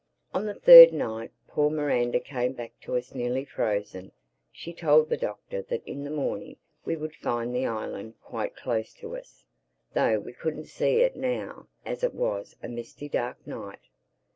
On the third night poor Miranda came back to us nearly frozen. She told the Doctor that in the morning we would find the island quite close to us, though we couldn't see it now as it was a misty dark night.